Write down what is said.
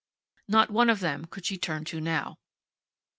Not one of them could she turn to now.